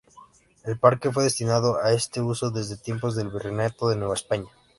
El parque fue destinado a este uso desde tiempos del Virreinato de Nueva España.